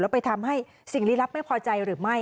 ไปทำให้สิ่งลี้ลับไม่พอใจหรือไม่